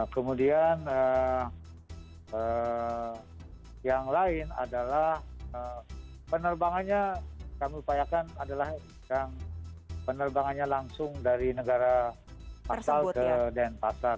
kemudian yang lain adalah penerbangannya kami upayakan adalah yang penerbangannya langsung dari negara asal ke denpasar